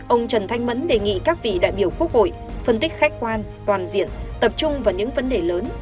ông trần thanh mẫn đề nghị các vị đại biểu quốc hội phân tích khách quan toàn diện tập trung vào những vấn đề lớn